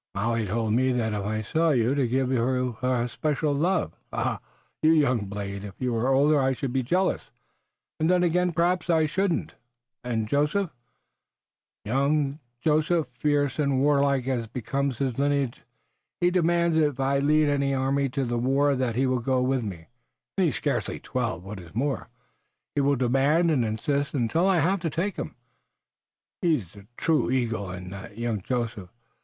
Molly told me that if I saw you to give you her special love. Ah, you young blade, if you were older I should be jealous, and then, again, perhaps I shouldn't!" "And Joseph?" "Young Thayendanegea? Fierce and warlike as becomes his lineage. He demands if I lead an army to the war that he go with me, and he scarce twelve. What is more, he will demand and insist, until I have to take him. 'Tis a true eagle that young Joseph.